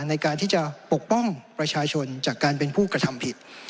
ในการที่จะปกป้องประชาชนจากการเป็นผู้กระทำผิด